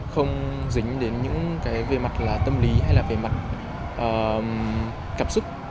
không dính đến những cái về mặt là tâm lý hay là về mặt cảm xúc